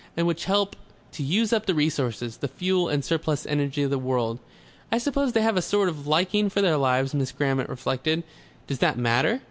And which help to use up the resources, the fuel and surplus energy of the world." "I suppose they have a sort of liking for their lives," Miss Grammont reflected. "Does that matter?